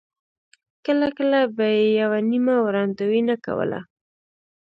کله کله به یې یوه نیمه وړاندوینه کوله.